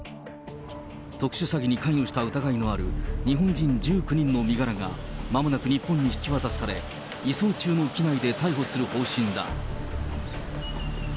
特殊詐欺に関与した疑いのある日本人１９人の身柄が、まもなく日本に引き渡され、移送中の機内で逮捕する方針だ。